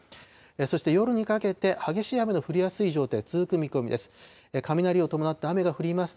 そして夜にかけて、激しい雨の降りやすい状態、続く見込みです。